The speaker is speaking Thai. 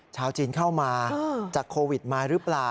ชาวจีนเข้ามาจากโควิดมาหรือเปล่า